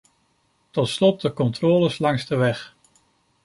Tot slot de controles langs de weg.